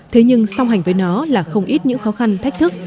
thế nhưng song hành với nó là không ít những khó khăn thách thức